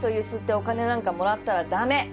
お金なんかもらったらダメ！